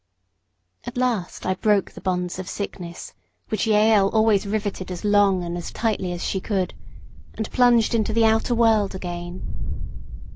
At last I broke the bonds of sickness which Jael always riveted as long and as tightly as she could and plunged into the outer world again.